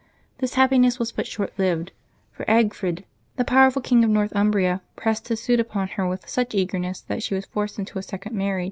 This happiness was but short lived; for Egfrid, the power ful King of Northumbria, pressed his suit upon her with such eagerness that she was forced into a second marriage.